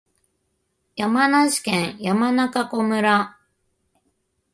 山梨県山中湖村